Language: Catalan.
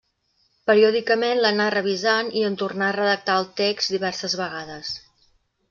Periòdicament l'anà revisant i en tornà a redactar el text diverses vegades.